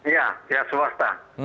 iya pihak swasta